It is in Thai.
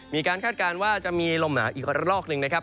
มีการคาดการณ์ว่าจะมีลมหนาอีกรอบนึงนะครับ